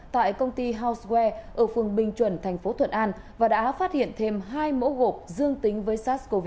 tại công ty housewware ở phường bình chuẩn thành phố thuận an và đã phát hiện thêm hai mẫu gộp dương tính với sars cov hai